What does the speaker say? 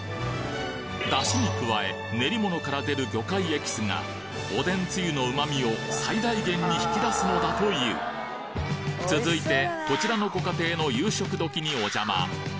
出汁に加え練り物から出る魚介エキスがおでんつゆの旨味を最大限に引き出すのだという続いてこちらのご家庭の夕食時にお邪魔！